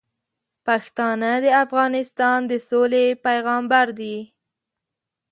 پښتانه د افغانستان د سولې پیغامبر دي.